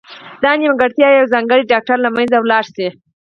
دا نیمګړتیا یو ځانګړی ډاکټر له منځه وړلای شي.